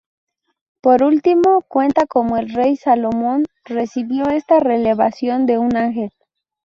Por último, cuenta cómo el rey Salomón recibió esta revelación de un ángel.